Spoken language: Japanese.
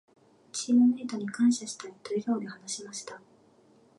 「チームメイトに感謝したい」と笑顔で話しました。